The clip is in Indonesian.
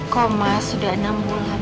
komak sudah enam bulan